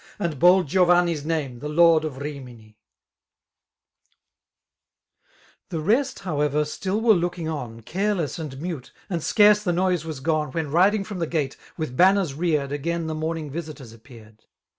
And bold Giovanni's name, the lord of RiminL The rest however still were looking on, Carelbass and mute, and scfuree tibe noise wes gonci. When riding from the gate, with banners reared. Again the morning visitors appeared.